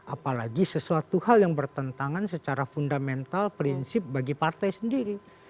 apalagi sesuatu hal yang bertentangan secara fundamental prinsip bagi partai sendiri